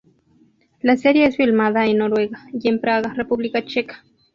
La serie es filmada en Noruega y en Praga, República Checa.